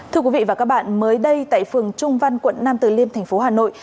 thưa quý vị và các bạn mới đây tại phường trung văn quận nam từ liêm thành phố hà nội